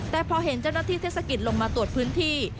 แต่พอเห็นเจ้าหน้าที่เทศกิจลงมาตรวจพื้นที่